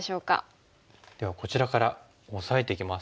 ではこちらからオサえていきます。